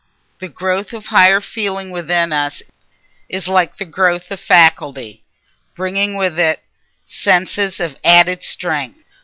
The growth of higher feeling within us is like the growth of faculty, bringing with it a sense of added strength.